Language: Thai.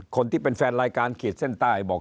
คนที่เป็นแฟนรายการขีดเส้นใต้บอก